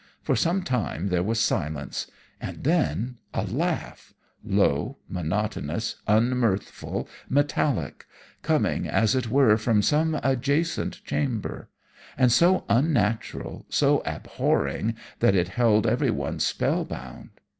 For some time there was silence; and then a laugh low, monotonous, unmirthful, metallic coming as it were from some adjacent chamber, and so unnatural, so abhorring, that it held everyone spell bound.